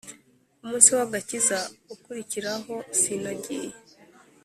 ku munsi w akazi ukurikiraho sinagiye